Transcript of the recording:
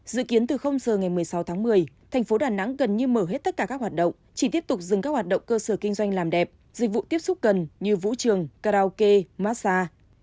dự kiến từ giờ ngày một mươi sáu tháng một mươi thành phố đà nẵng gần như mở hết tất cả các hoạt động chỉ tiếp tục dừng các hoạt động cơ sở kinh doanh làm đẹp dịch vụ tiếp xúc gần như vũ trường karaoke massage